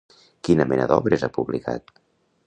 Quina mena d'obres ha publicat?